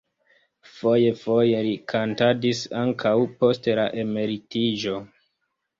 Foje-foje li kantadis ankaŭ post la emeritiĝo.